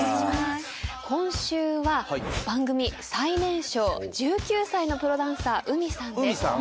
今週は番組最年少１９歳のプロダンサーＵＭＩさんです。